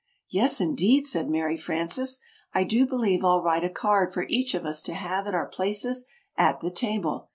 "Yes, indeed!" said Mary Frances. "I do believe I'll write a card for each of us to have at our places at the table!"